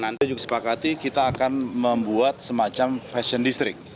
nanti juga sepakati kita akan membuat semacam fashion district